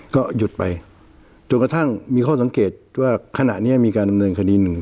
ก็หยุดไปจนกระทั่งมีข้อสังเกตว่าขณะนี้มีการดำเนินคดีหนึ่ง